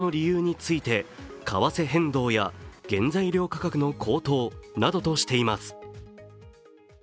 日本マクドナルドは値上げの理由について、為替変動や原材料価格の高騰などとしています。